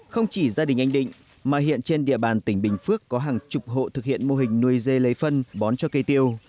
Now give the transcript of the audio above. không chỉ gia đình anh định mà hiện trên địa bàn tỉnh bình phước có hàng chục hộ thực hiện mô hình nuôi dê lấy phân bón cho cây tiêu